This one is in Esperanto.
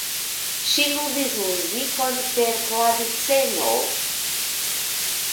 Ŝi ludis muzikon per klaviceno.